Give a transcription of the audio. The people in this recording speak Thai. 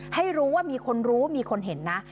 ให้รู้ว่ามีคนรู้มีคนเห็นนะ